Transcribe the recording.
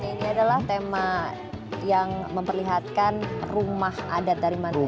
ini adalah tema yang memperlihatkan rumah adat dari mantu